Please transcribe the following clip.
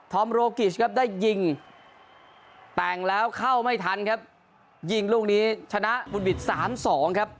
โรกิชครับได้ยิงแต่งแล้วเข้าไม่ทันครับยิงลูกนี้ชนะบุญบิดสามสองครับ